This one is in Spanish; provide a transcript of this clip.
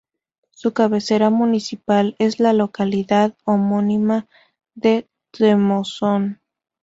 Su cabecera municipal es la localidad homónima de Temozón.